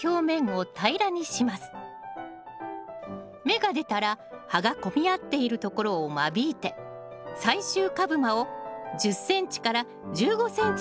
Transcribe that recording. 芽が出たら葉が混み合っているところを間引いて最終株間を１０ｃｍ１５ｃｍにします。